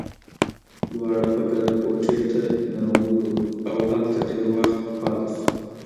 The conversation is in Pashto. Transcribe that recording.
دواړه په ګډه کوټې ته ننوزو، او هلته ډېر وخت پاتې شو.